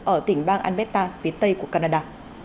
ở tỉnh bang alberta phía tây của canada